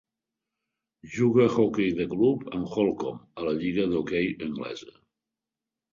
Juga a hoquei de club amb Holcombe a la lliga d'hoquei anglesa.